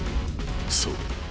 そう。